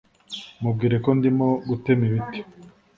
Mubwire ko ndimo gutema ibiti